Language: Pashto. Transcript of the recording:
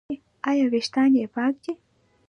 ایا ویښتان یې پاک دي؟